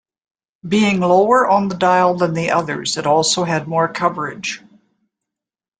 Being lower on the dial than the others, it also had more coverage.